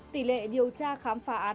tỷ lệ điều tra khám phá án